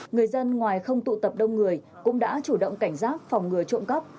người dân ngoài không tụ tập đông người cũng đã chủ động cảnh giác phòng ngừa trộm cắp